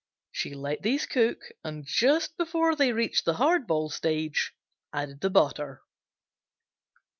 She let these cook, and just before they reached the hard ball stage, added the butter.